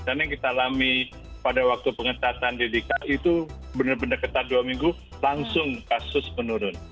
karena kita alami pada waktu pengetatan ddk itu benar benar ketat dua minggu langsung kasus menurun